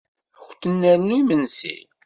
Ad kunt-nernu imesnsi?